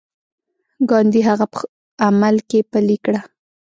ګاندي هغه په عمل کې پلي کړه.